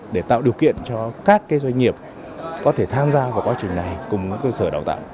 để tạo điều kiện cho các doanh nghiệp có thể tham gia vào quá trình này cùng các cơ sở đào tạo